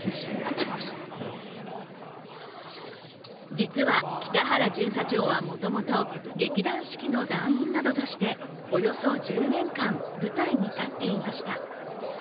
実は喜多原巡査長はもともと劇団四季の団員などとしておよそ１０年間舞台に立っていました。